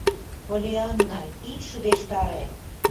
— Поллианна, ит шыдештаре!